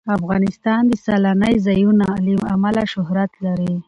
افغانستان د سیلانی ځایونه له امله شهرت لري.